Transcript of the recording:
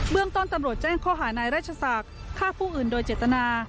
เมืองต้นตำรวจแจ้งข้อหานายราชศักดิ์ฆ่าผู้อื่นโดยเจตนา